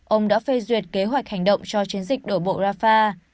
ông đã phê duyệt kế hoạch hành động cho chiến dịch đổ bộ rafah